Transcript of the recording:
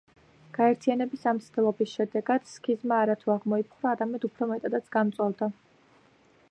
გაერთიანების ამ მცდელობის შედეგად სქიზმა არა თუ აღმოიფხვრა, არამედ უფრო მეტადაც გამწვავდა.